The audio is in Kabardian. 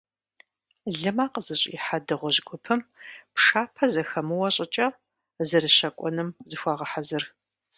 Лымэ къызыщӏихьа дыгъужь гупым, пшапэ зэхэмыуэ щӀыкӀэ, зэрыщэкӀуэнум зыхуагъэхьэзыр.